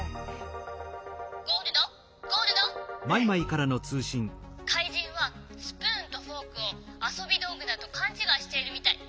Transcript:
かいじんはスプーンとフォークをあそびどうぐだとかんちがいしているみたい。